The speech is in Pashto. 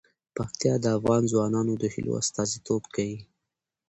پکتیا د افغان ځوانانو د هیلو استازیتوب کوي.